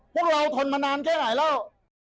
พวกเราทนมานานแค่ไหนแล้ว